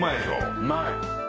うまい！